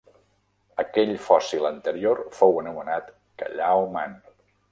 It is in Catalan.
Aquell fòssil anterior fou anomenat Callao Man.